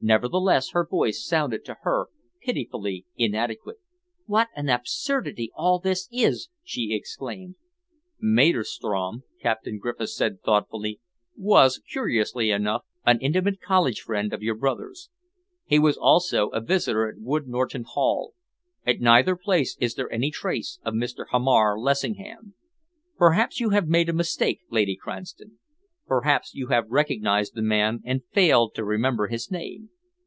Nevertheless, her voice sounded to her pitifully inadequate. "What an absurdity all this is!" she exclaimed. "Maderstrom," Captain Griffiths said thoughtfully, "was, curiously enough, an intimate college friend of your brother's. He was also a visitor at Wood Norton Hall. At neither place is there any trace of Mr. Hamar Lessingham. Perhaps you have made a mistake, Lady Cranston. Perhaps you have recognised the man and failed to remember his name.